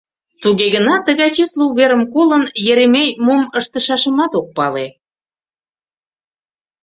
Туге гынат тыгай чесле уверым колын, Еремей мом ыштышашымат ок пале.